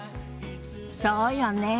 そうよねえ。